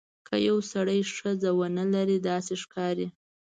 که یو سړی ښځه ونه لري داسې ښکاري.